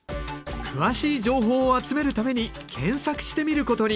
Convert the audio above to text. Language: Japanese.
詳しい情報を集めるために検索してみることに。